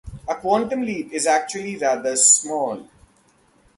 A quantum leap is actually rather small.